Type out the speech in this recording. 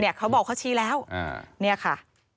เขาบอกเขาชี้แล้วเนี่ยค่ะ